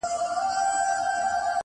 له ربابي سره شهباز ژړله.!